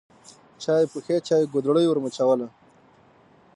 چا یې پښې چا ګودړۍ ورمچوله